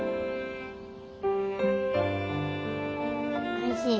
おいしい。